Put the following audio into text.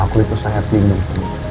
aku itu sehat lindung